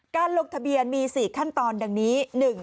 ลงทะเบียนมี๔ขั้นตอนดังนี้